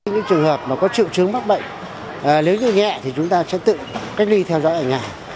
những trường hợp có triệu chứng mắc bệnh nếu như nhẹ thì chúng ta sẽ tự cách ly theo dõi ở nhà